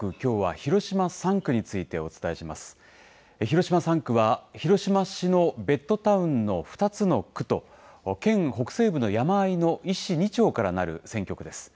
広島３区は、広島市のベッドタウンの２つの区と、県北西部の山あいの１市２町からなる選挙区です。